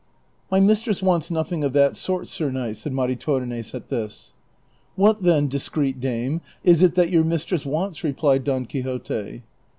" My mistress wants nothing of that sort, sir knight," said Maritornes at this. '' What then, discreet dame, is it that your mistress wants ?" replied Don Quixote.